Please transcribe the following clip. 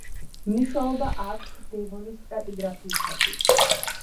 მნიშვნელობა აქვთ დევონის სტრატიგრაფიისათვის.